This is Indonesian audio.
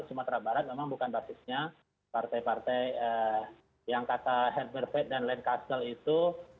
sumatera barat memang bukan basisnya partai partai yang kata herbert dan len kastel itu